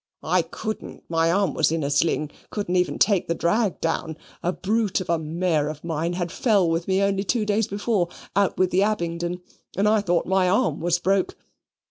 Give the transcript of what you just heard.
I couldn't. My arm was in a sling; couldn't even take the drag down a brute of a mare of mine had fell with me only two days before, out with the Abingdon, and I thought my arm was broke.